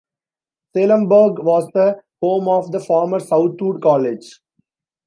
Salemburg was the home of the former Southwood College.